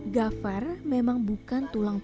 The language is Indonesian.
gavar memang bukan tulang buah